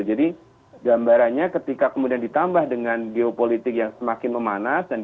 jadi gambarannya ketika kemudian ditambah dengan geopolitik yang semakin memanas dan gitu